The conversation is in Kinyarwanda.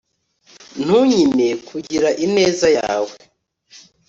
Ntunyime kugira ineza yawe